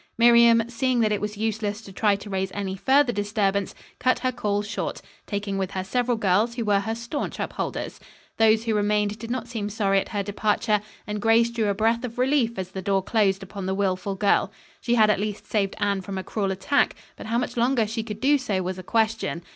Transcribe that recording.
Miriam seeing that it was useless to try to raise any further disturbance, cut her call short, taking with her several girls who were her staunch upholders. Those who remained did not seem sorry at her departure, and Grace drew a breath of relief as the door closed upon the wilful girl. She had at least saved Anne from a cruel attack, but how much longer she could do so was a question.